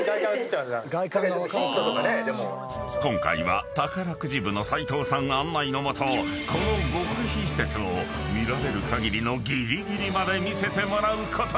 ［今回は宝くじ部の齊藤さん案内の下この極秘施設を見られるかぎりのぎりぎりまで見せてもらうことに］